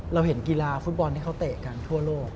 เราเห็นกีฬาฟุตบอลที่เขาเตะกันทั่วโลก